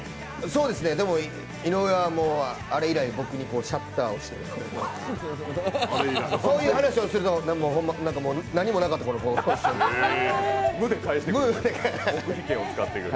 そうですね、でも井上は、あれ以来シャッターをしていてそういう話をすると、何もなかったような顔してくる。